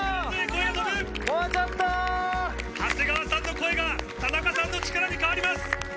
長谷川さんの声が田中さんの力に変わります。